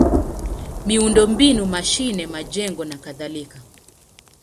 miundombinu: mashine, majengo nakadhalika.